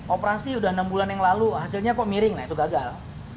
operasi sudah enam bulan yang lalu hasilnya kok miring nah itu gagal